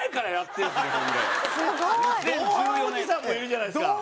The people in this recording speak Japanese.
「同伴おじさん」もいるじゃないですか。